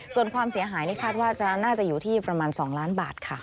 ส่วนความเสียหายนี่คาดว่าน่าจะอยู่ที่ประมาณ๒ล้านบาทค่ะ